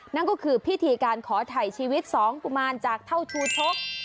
นั่นก็คือพิธีการขอถ่ายชีวิตสองกุมารจากเท่าชูชก